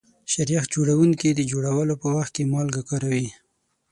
شیریخ جوړونکي د جوړولو په وخت کې مالګه کاروي.